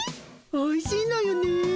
おいしいのよね。